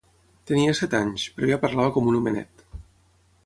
Tenia set anys, però ja parlava com un homenet.